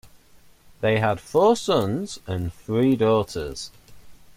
They had four sons and three daughters.